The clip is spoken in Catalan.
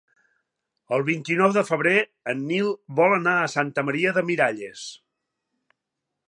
El vint-i-nou de febrer en Nil vol anar a Santa Maria de Miralles.